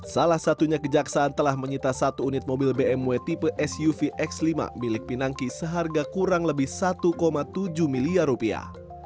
salah satunya kejaksaan telah menyita satu unit mobil bmw tipe suv x lima milik pinangki seharga kurang lebih satu tujuh miliar rupiah